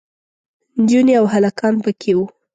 نجونې او هلکان پکې وو.